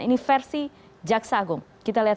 ini versi jaksa agung kita lihat